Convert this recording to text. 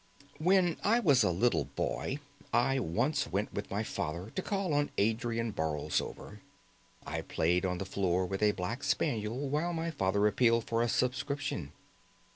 When I was a little boy I once went with my father to call on Adrian Borlsover. I played on the floor with a black spaniel while my father appealed for a subscription.